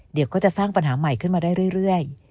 เดี๋ยวก็จะสร้างปัญหาใหม่ขึ้นมาได้เรื่อย